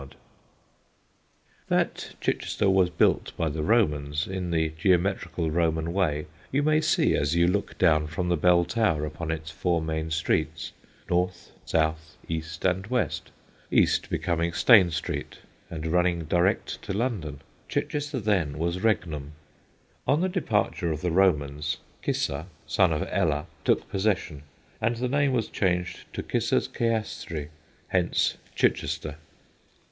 [Sidenote: ROMAN CHICHESTER] That Chichester was built by the Romans in the geometrical Roman way you may see as you look down from the Bell Tower upon its four main streets north, south, east and west east becoming Stane street and running direct to London. Chichester then was Regnum. On the departure of the Romans, Cissa, son of Ella, took possession, and the name was changed to Cissa's Ceastre, hence Chichester.